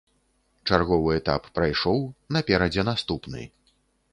Чарговы этап прайшоў, наперадзе наступны.